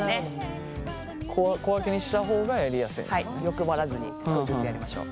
欲張らずに少しずつやりましょう。